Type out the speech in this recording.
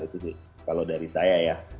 itu kalau dari saya ya